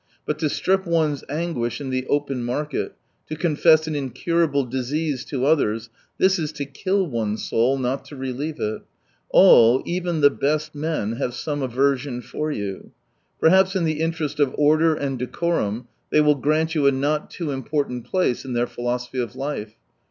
But to strip one's anguish in the open market, to confess an incurable disease to others, this is to kill one's soul, not to relieve it. All, even the best men, have some aversion for you. Perhaps in the interest of order and decorum they will grant you a not too important place in their philosophy of life.